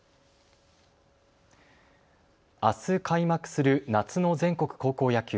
あす開幕する夏の全国高校野球。